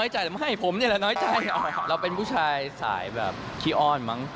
ใช่เราเป็นผู้ชายสายแบบขี้อ้อนมั้ง